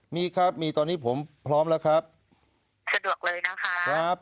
มีครับมีตอนนี้ผมพร้อมแล้วครับสะดวกเลยนะคะครับ